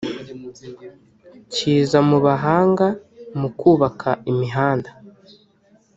kiza mu bahanga mu kubaka imihanda